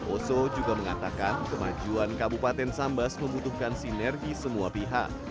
oso juga mengatakan kemajuan kabupaten sambas membutuhkan sinergi semua pihak